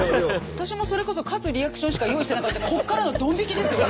私もそれこそ勝つリアクションしか用意してなかったからこっからのどん引きですよ。